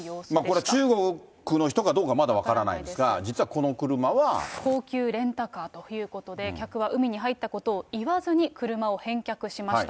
これ、中国の人かどうかまだ高級レンタカーということで、客は海に入ったことを言わずに車を返却しました。